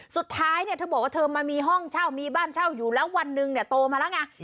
สุดท้ายเนี่ยเธอบอกว่าเธอมามีห้องเช่ามีบ้านเช่าอยู่แล้ววันหนึ่งเนี่ยโตมาแล้วไง